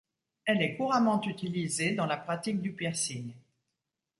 Elle est couramment utilisée dans la pratique du piercing.